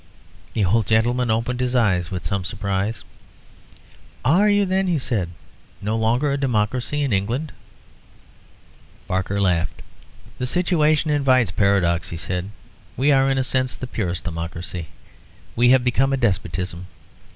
The old gentleman opened his eyes with some surprise. "Are you, then," he said, "no longer a democracy in England?" Barker laughed. "The situation invites paradox," he said. "We are, in a sense, the purest democracy. We have become a despotism.